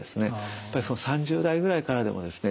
やっぱり３０代ぐらいからでもですね